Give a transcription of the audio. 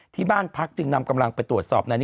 ที่บ้านพรรคจึงนำกำลังไปตรวจสอบ